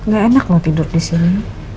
gak enak mau tidur disini